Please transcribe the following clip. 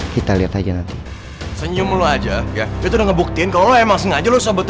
kita lihat aja senyum aja ya itu ngebuktiin kalau emang sengaja lu sobat